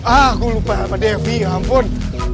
aku lupa sama devi ampun